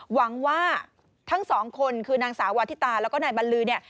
หวังว่าทั้งสองคนคือนางสาววาทิตาแล้วก็นายบรรลือเนี่ย